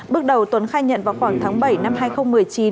bước đầu tuấn khai nhận vào khoảng tháng bảy năm hai nghìn một mươi chín